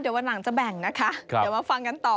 เดี๋ยววันหลังจะแบ่งนะคะเดี๋ยวมาฟังกันต่อ